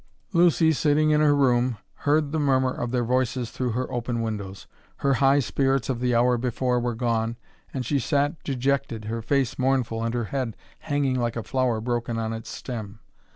Lucy, sitting in her room, heard the murmur of their voices through her open windows. Her high spirits of the hour before were gone, and she sat dejected, her face mournful, and her head hanging like a flower broken on its stem.